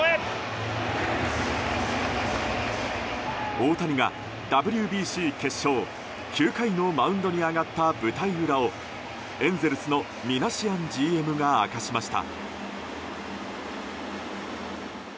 大谷がＷＢＣ決勝、９回のマウンドに上がった舞台裏をエンゼルスのミナシアンＧＭが明かしました。